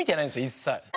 一切。